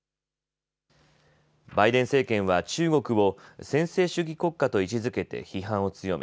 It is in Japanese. バイデン政権は中国を専制主義国家と位置づけて批判を強め